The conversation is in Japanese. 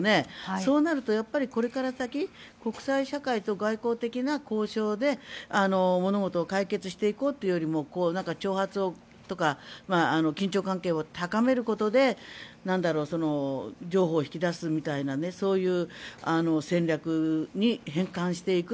そうなると、これから先国際社会と外交的な交渉で物事を解決していこうというよりも挑発とか緊張関係を高めることで譲歩を引き出すみたいなそういう戦略に変換していく。